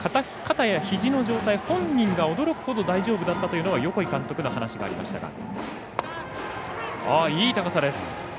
肩やひじの状態本人が驚くほど大丈夫だったという横井監督の話がありました。